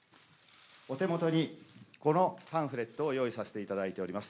お手元にこのパンフレットを用意させていただいております。